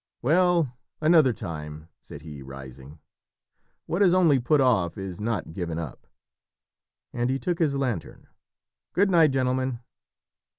"Well, another time," said he, rising. "What is only put off is not given up." And he took his lantern. "Good night, gentlemen."